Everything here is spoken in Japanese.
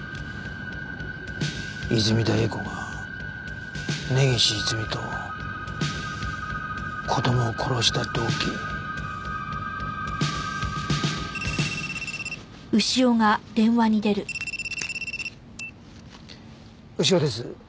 泉田栄子が根岸いずみと子供を殺した動機？牛尾です。